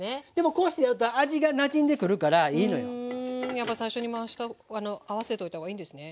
やっぱ最初に合わせといた方がいいんですね。